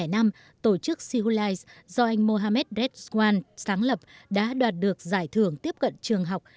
năm hai nghìn năm tổ chức sihulais do anh mohamed redzwan sáng lập đã đoạt được giải thưởng tiếp cận trường học